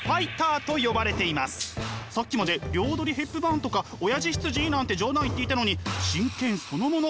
さっきまで「両取りヘップバーン」とか「おやじ羊」なんて冗談言っていたのに真剣そのもの。